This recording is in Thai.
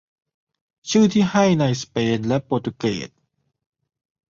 ชื่อที่ให้ในสเปนและโปรตุเกส